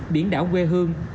biển đảo quê hương